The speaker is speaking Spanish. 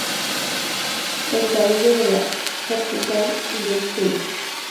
El cabildo de la Catedral de Tui le encargó la realización del coro.